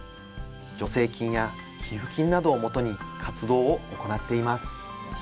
助成金や寄付金などをもとに活動を行っています。